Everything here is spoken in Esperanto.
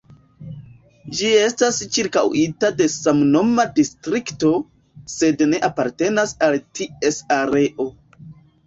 Ĝi estas ĉirkaŭita de samnoma distrikto, sed ne apartenas al ties areo.